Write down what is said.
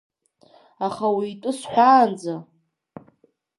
Аха уи итәы сҳәаанӡа…